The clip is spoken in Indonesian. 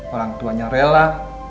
orang tuanya rela